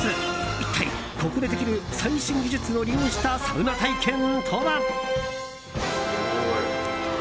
一体ここでできる最新技術を利用したサウナ体験とは。